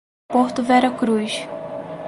Porto Vera Cruz